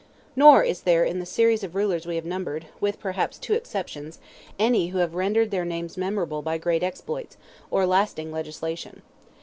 Nor is there in the series of rulers we have numbered, with, perhaps, two exceptions, any who have rendered their names memorable by great exploits, or lasting legislation.